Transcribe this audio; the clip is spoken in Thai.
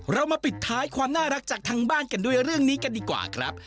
เรามาปิดท้ายความน่ารักจากทางบ้านกันด้วยเรื่องนี้กันดีกว่าครับ